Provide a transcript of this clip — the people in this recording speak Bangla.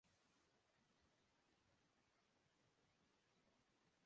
তিনি এবং তার পরিবার দেওবন্দী আন্দোলনের অংশ।